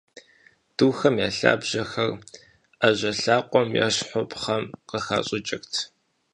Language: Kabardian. Духэм я лъабжьэхэр ӏэжьэ лъакъуэм ещхьу пхъэм къыхащӏыкӏырт.